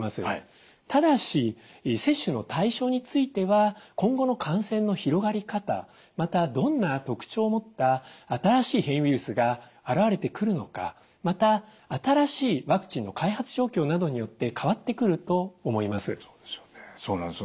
ただし接種の対象については今後の感染の広がり方またどんな特徴を持った新しい変異ウイルスが現れてくるのかまた新しいワクチンの開発状況などによって変わってくると思います。